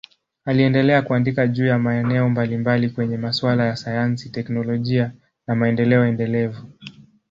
Aliendelea kuandika juu ya maeneo mbalimbali kwenye masuala ya sayansi, teknolojia na maendeleo endelevu.